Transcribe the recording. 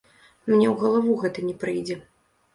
Мне ў галаву гэта не прыйдзе.